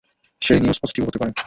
সেই নিউজ পজিটিভও হতে পারে।